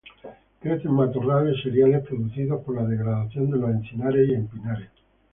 Crece en matorrales seriales producidos por la degradación de los encinares y en pinares.